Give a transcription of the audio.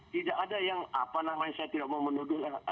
tidak ada yang apa namanya saya tidak mau menuduh